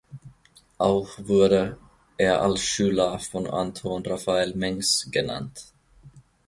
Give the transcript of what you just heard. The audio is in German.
Auch wurde er als Schüler von Anton Raphael Mengs genannt.